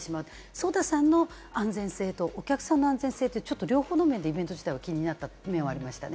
ＳＯＤＡさんの安全性とお客さんの安全性、両方の面でイベント自体が気になった面がありましたね。